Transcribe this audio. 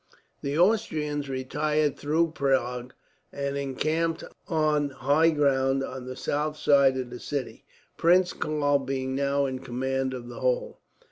The Austrians retired through Prague and encamped on high ground on the south side of the city, Prince Karl being now in command of the whole.